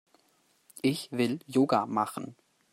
Ich will Yoga machen.